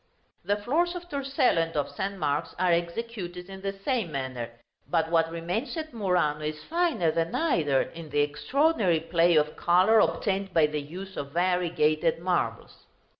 The floors of Torcello and of St. Mark's are executed in the same manner; but what remains at Murano is finer than either, in the extraordinary play of color obtained by the use of variegated marbles.